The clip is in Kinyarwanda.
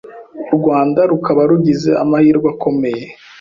U Rwanda rukaba rugize amahirwe akomye